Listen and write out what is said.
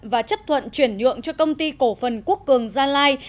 và chấp thuận chuyển nhượng cho công ty cổ phần quốc cường gia lai